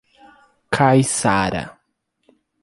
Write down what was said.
Caiçara